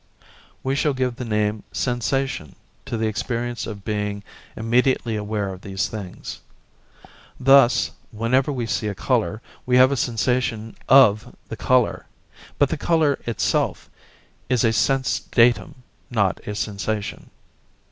We shall give the name 'sensation' to the experience of being immediately aware of these things. Thus, whenever we see a colour, we have a sensation of the colour, but the colour itself is a sense datum, not a sensation.